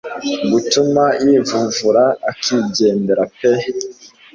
gutuma yivumvura akigendera pe